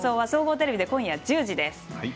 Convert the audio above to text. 総合テレビで今夜１０時です。